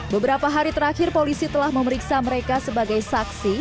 beberapa hari terakhir polisi telah memeriksa mereka sebagai saksi